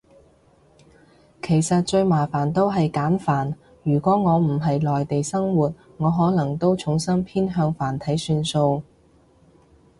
其實最麻煩都係簡繁，如果我唔係内地生活，我可能都重心偏向繁體算數